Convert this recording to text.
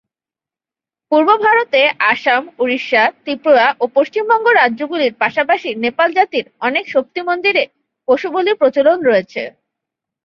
পূর্ব ভারতে আসাম, ওড়িশা, ত্রিপুরা ও পশ্চিমবঙ্গ রাজ্যগুলির পাশাপাশি নেপাল জাতির অনেক শক্তি মন্দিরে পশু বলির প্রচলন রয়েছে।